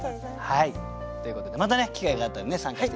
ということでまたね機会があったらね参加して頂きたいと思います。